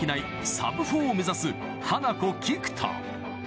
サブ４を目指すハナコ菊田。